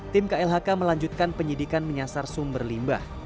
tim klhk melanjutkan penyidikan menyasar sumber limbah